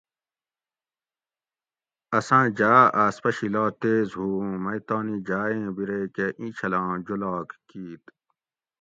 اساۤں جاۤ اۤ آس پشی لا تیز ہُو اُوں مئ تانی جاۤ ایں بِرے کہ ایچھلاں جولاگ کِیت